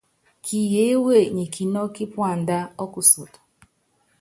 Kiyeéwe nyi kinɔ́kɔ́ kípuandá ɔ́kusɔt.